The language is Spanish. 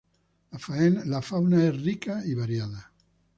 La fauna es rica y variada.